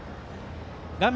画面